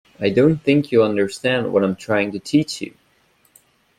I don't think you understand what I'm trying to teach you.